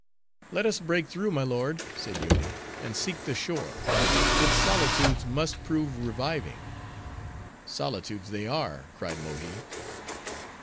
"Let us break through, my lord," said Yoomy, "and seek the shore. Its solitudes must prove reviving." "Solitudes they are," cried Mohi.